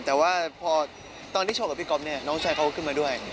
แต่ว่าพอตอนที่โชว์กับพี่ก๊อฟเนี่ยน้องชายเขาก็ขึ้นมาด้วย